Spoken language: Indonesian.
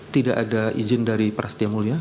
tidak ada izin dari prasetya mulia